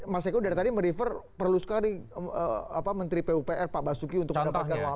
mas eko dari tadi merefer perlu sekali menteri pupr pak basuki untuk mendapatkan